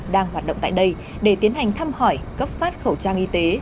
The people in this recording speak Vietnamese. đang hoạt động tại đây để tiến hành thăm hỏi cấp phát khẩu trang y tế